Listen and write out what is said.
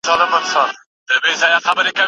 باید د ټولنې د نېکمرغۍ لپاره هڅه وکړو.